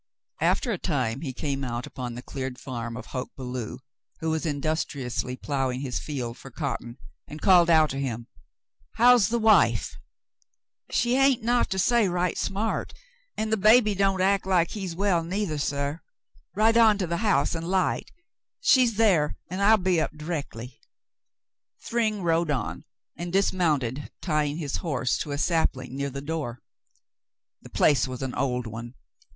After a time he came out upon the cleared farm of Hoke Belew, who was industriously ploughing his field for cotton, and called out to him, "How's the wife?'* "She hain't not to say right smart, an' the baby don't act like he's w^ell, neither, suh. Ride on to th' house an* hght. She's thar, an' I'll be up d'rectly." Thryng rode on and dismounted, tying his horse to a sapling near the door. The place was an old one.